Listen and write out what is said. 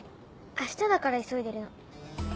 明日だから急いでるの。